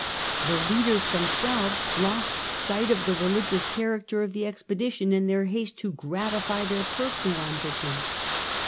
The leaders themselves lost sight of the religious character of the expedition in their haste to gratify their personal ambitions.